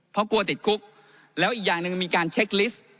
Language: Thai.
เพราะกลัวติดคุกแล้วอีกอย่างหนึ่งมีการเช็คลิสต์